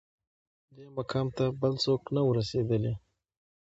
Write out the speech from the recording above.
دې مقام ته بل څوک نه وه رسېدلي